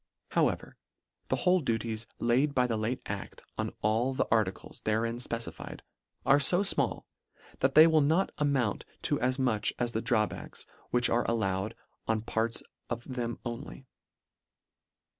However, the whole duties laid by the late adt on all the articles therein fpecified, are fo frnall, that they will not amount to as much as the drawbacks which are allowed on part of them only.